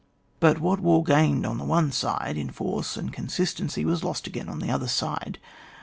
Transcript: But what war gained on the one side in force and consistency was lost again on the other side.